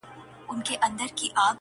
زما پر سونډو یو غزل عاشقانه یې,